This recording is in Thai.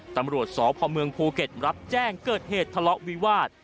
ตำรวจสพเมืองภูเก็ตรับแจ้งเกิดเหตุทะเลาะวิวาส